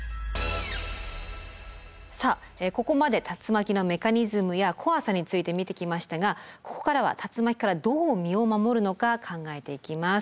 さあここまで竜巻のメカニズムや怖さについて見てきましたがここからは竜巻からどう身を守るのか考えていきます。